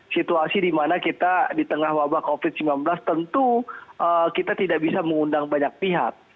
situasi dimana kita di tengah wabah covid sembilan belas tentu kita tidak bisa mengundang banyak pihak